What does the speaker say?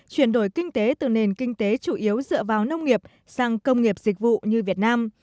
chuyển đổi kinh tế từ nền kinh tế chủ yếu dựa vào nông nghiệp sang công nghiệp dịch vụ như việt nam